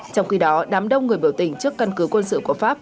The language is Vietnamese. trong khi đó đám đông người biểu tình trước căn cứ quân sự của pháp